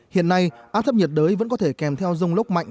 hiện nay áp thấp nhiệt đới vẫn có thể kèm theo rông lốc mạnh